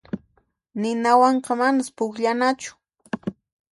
Ninawanqa manas pukllanachu.